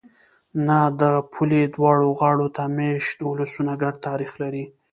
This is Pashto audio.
نه! د پولې دواړو غاړو ته مېشت ولسونه ګډ تاریخ لري.